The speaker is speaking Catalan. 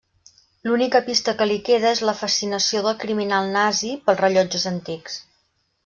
L’única pista que li queda és la fascinació del criminal nazi pels rellotges antics.